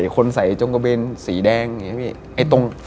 คนใส่จงกระเบนสีแดงอย่างนี้